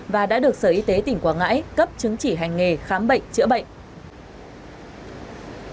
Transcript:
và đã được sở y tế tỉnh quảng ngãi cấp chứng chỉ hành nghề khám bệnh chữa bệnh